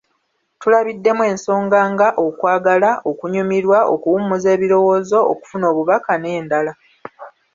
Tulabiddemu ensonga nga okwagala , okunyumirwa, okuwummuza ebirowoozo, okufuna obubaka n’endala.